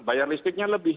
bayar listriknya lebih